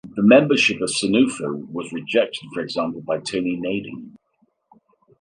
The membership of Senufo was rejected for example by Tony Naden.